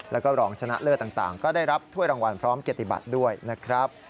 แล้วก็รองชนะเลิศต่างก็ได้รับถ้วยรางวัลพร้อมเกียรติบัตรด้วยนะครับ